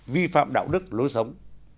vi phạm đạo đức lối sống